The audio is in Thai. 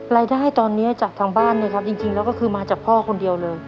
รายได้ตอนนี้จากทางบ้านนะครับจริงแล้วก็คือมาจากพ่อคนเดียวเลย